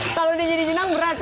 kalau udah jadi jenang berat ya